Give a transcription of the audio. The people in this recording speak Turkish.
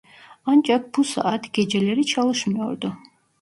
Ancak bu saat geceleri çalışmıyordu.